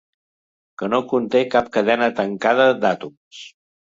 Que no conté cap cadena tancada d'àtoms.